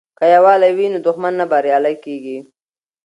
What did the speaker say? که یووالی وي نو دښمن نه بریالی کیږي.